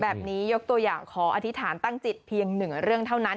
ยกตัวอย่างขออธิษฐานตั้งจิตเพียงหนึ่งเรื่องเท่านั้น